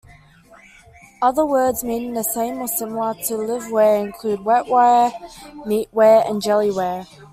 Other words meaning the same or similar to liveware include wetware, meatware and jellyware.